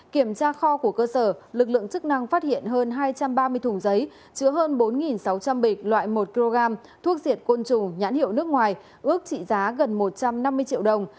kiểm tra kho của cơ sở lực lượng chức năng phát hiện hơn hai trăm ba mươi thùng giấy chứa hơn bốn sáu trăm linh bịch loại một kg thuốc diệt côn trùng nhãn hiệu nước ngoài ước trị giá gần một trăm năm mươi triệu đồng